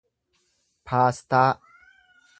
paastaa